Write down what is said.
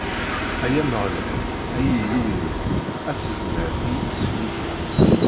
Ay Ameɣlal, ay Illu-iw, a tezmert i iyi-ittselliken.